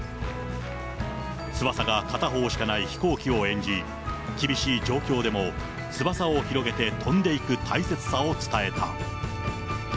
翼が片方しかない飛行機を演じ、厳しい状況でも、翼を広げて飛んでいく大切さを伝えた。